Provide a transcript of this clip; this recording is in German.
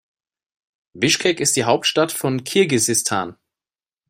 Bischkek ist die Hauptstadt von Kirgisistan.